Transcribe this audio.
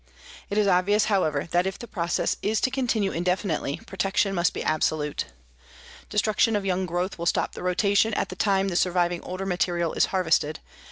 It is obvious, however, that if the process is to continue indefinitely, protection must be absolute. Destruction of young growth will stop the rotation at the time the surviving older material is harvested.